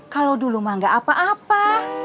kalau dulu mak nggak apa apa